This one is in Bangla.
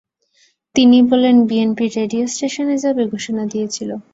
তিনি বলেন, বিএনপি রেডিও স্টেশনে যাবে ঘোষণা দিয়েছিল।